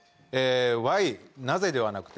「ＷＨＹなぜ」ではなくて。